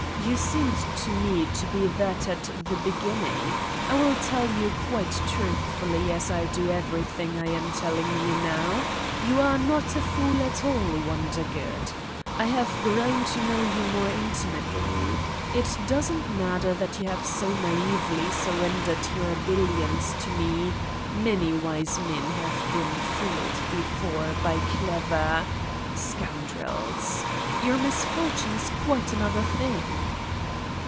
You seemed to me to be that at the beginning. I will tell you quite truthfully, as I do everything I am telling you now: you are not a fool at all, Wondergood. I have grown to know you more intimately. It doesn't matter that you have so naively surrendered your billions to me ... many wise men have been fooled before by clever ... scoundrels ! Your misfortune is quite another thing.